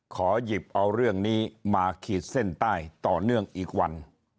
ขอหยิบเอาเรื่องนี้มาขีดเส้นใต้ต่อเนื่องอีกวัน